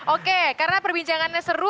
oke karena perbincangannya seru